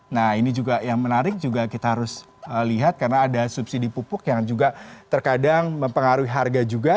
nah ini juga yang menarik juga kita harus lihat karena ada subsidi pupuk yang juga terkadang mempengaruhi harga juga